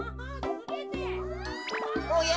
・おや？